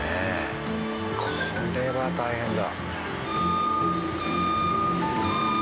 これは大変だ。